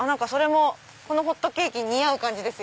このホットケーキに合う感じです。